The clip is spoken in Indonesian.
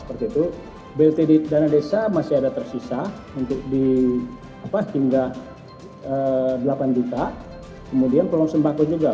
begitu beledit dana desa masih ada tersisa untuk di apa hingga delapan juta kemudian pulau sembako juga